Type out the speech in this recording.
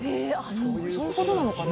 そういうことなのかな。